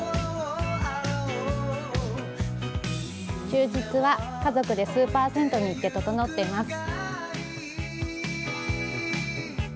休日は家族でスーパー銭湯に行ってととのっています。